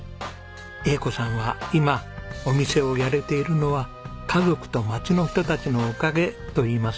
栄子さんは「今お店をやれているのは家族と町の人たちのおかげ」と言います。